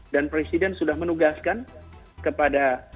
dan presiden sudah menugaskan kepada